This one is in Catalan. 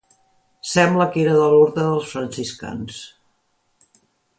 Sembla que era de l'orde dels franciscans.